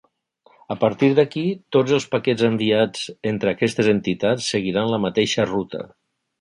A partir d'aquí, tots els paquets enviats entre aquestes entitats seguiran la mateixa ruta.